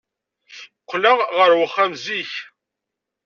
Qqleɣ ɣer uxxam zik.